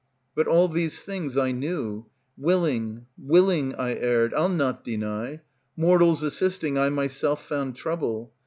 But all these things I knew; Willing, willing I erred, I'll not deny; Mortals assisting I myself found trouble.